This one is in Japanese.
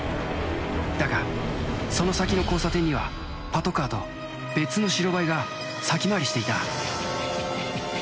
だがその先の交差点にはパトカーと別の白バイが先回りしていた。